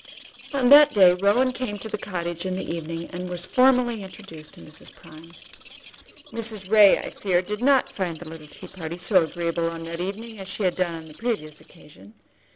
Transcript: On that day Rowan came out to the cottage in the evening and was formally introduced to Mrs. Prime. Mrs. Ray, I fear, did not find the little tea party so agreeable on that evening as she had done on the previous occasion.